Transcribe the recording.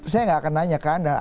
saya nggak akan nanya ke anda